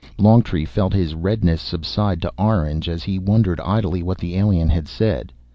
Longtree felt his redness subside to orange, as he wondered idly what the alien had said.